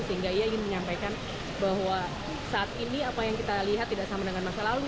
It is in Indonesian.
sehingga ia ingin menyampaikan bahwa saat ini apa yang kita lihat tidak sama dengan masa lalu